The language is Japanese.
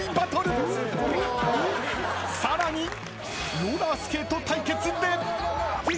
［さらに］